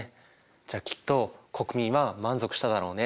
じゃあきっと国民は満足しただろうね。